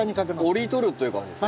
折り取るという感じですね。